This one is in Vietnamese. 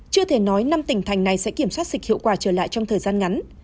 chưa thể nói năm tỉnh thành này sẽ kiểm soát dịch hiệu quả trở lại trong thời gian ngắn